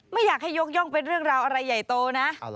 ไม่อยากให้ยกย่องเป็นเรื่องราวอะไรใหญ่โตนะ